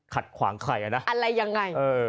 ขัดขวางใครอะนะ